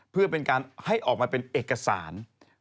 เพื่อเป็นการให้ออกมาเป็นเอกสาร